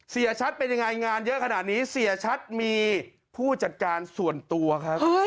เสียชัดเป็นยังไงงานเยอะขนาดนี้เสียชัดมีผู้จัดการส่วนตัวครับ